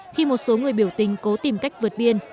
khi một số người biểu tình cố tìm cách vượt biên